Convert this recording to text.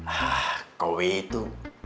ah kau itu